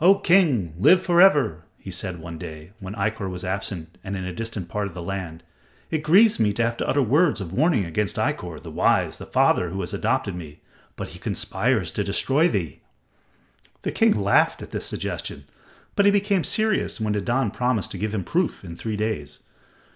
"O King, live for ever!" he said one day, when Ikkor was absent in a distant part of the land; "it grieves me to have to utter words of warning against Ikkor, the wise, the father who has adopted me. But he conspires to destroy thee." The king laughed at this suggestion, but he became serious when Nadan promised to give him proof in three days.